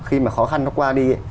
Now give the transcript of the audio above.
khi mà khó khăn nó qua đi